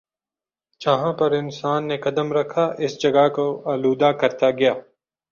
جہاں پر انسان نے قدم رکھا اس جگہ کو آلودہ کرتا گیا